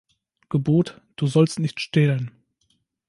Gebot: "Du sollst nicht stehlen.